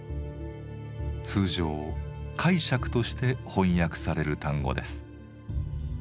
通常「解釈」として翻訳される単語です。